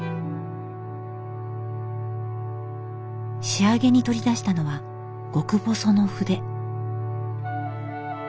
仕上げに取り出したのは極細の筆。